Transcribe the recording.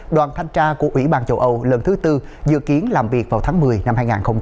đoàn thanh tra của ủy ban châu âu lần thứ tư dự kiến làm việc vào tháng một mươi năm hai nghìn hai mươi